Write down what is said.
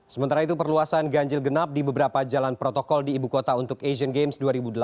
sementara itu perluasan ganjil genap di beberapa jalan protokol di ibu kota untuk asian games dua ribu delapan belas